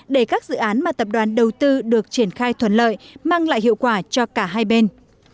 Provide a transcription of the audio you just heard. để các dự án mà tập đoàn đầu tư được triển khai thuận lợi mang lại hiệu quả cho cả hai bên